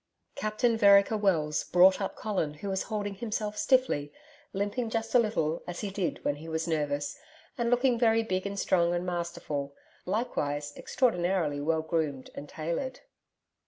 Captain Vereker Wells brought up Colin who was holding himself stiffly, limping just a little, as he did when he was nervous, and looking very big and strong and masterful likewise extraordinarily well groomed and tailored.